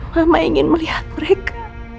mama ingin melihat mereka